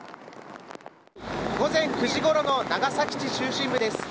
午前９時ごろの長崎市中心部です。